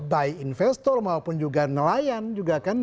baik investor maupun juga nelayan juga kan